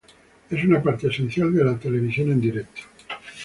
Es una parte esencial de la televisión en vivo.